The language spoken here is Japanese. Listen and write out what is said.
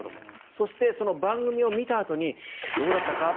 そしてその番組を見たあとにどうだったか？